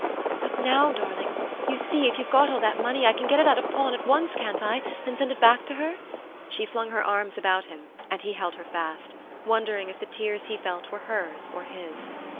But now, darling, you see, if you've got all that money, I can get it out of pawn at once, can't I, and send it back to her?" She flung her arms about him, and he held her fast, wondering if the tears he felt were hers or his.